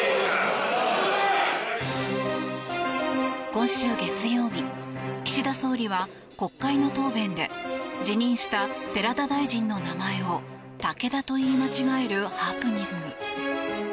今週月曜日、岸田総理は国会の答弁で辞任した寺田大臣の名前をタケダと言い間違えるハプニング。